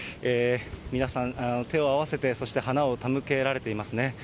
皆さん、手を合わせて、そして花を手向けられていますね。